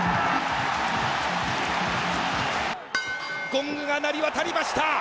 ゴングが鳴り渡りました。